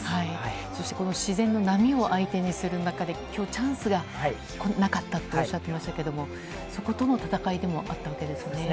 そしてこの自然の波を相手にする中で、きょうチャンスがなかったとおっしゃっていましたけれども、そことの戦いでもあったわけですね。